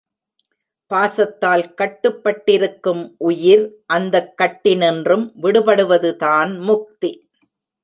பாசத்தால் கட்டுப்பட்டிருக்கும் உயிர் அந்தக் கட்டினின்றும் விடுபடுவதுதான் முக்தி.